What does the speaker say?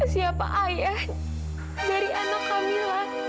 siapa ayah dari anak kamila